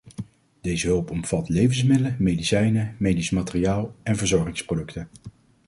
Deze hulp omvat levensmiddelen, medicijnen, medisch materiaal en verzorgingsproducten.